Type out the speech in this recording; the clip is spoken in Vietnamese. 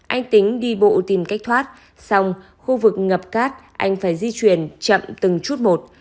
anh tính đi bộ tìm cách thoát xong khu vực ngập cát anh phải di chuyển chậm từng chút một